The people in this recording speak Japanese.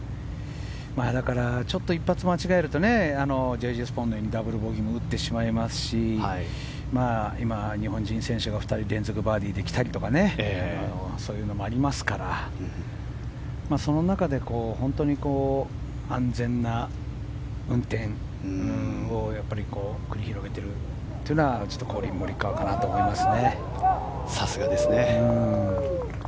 ちょっと一発間違えるとＪ・Ｊ・スポーンのようにダブルボギー打ってしまいますし今、日本人選手２人が連続バーディーできたりとかそういうのもありますからその中で、本当に安全な運転を繰り広げているというのはコリン・モリカワかなと思います。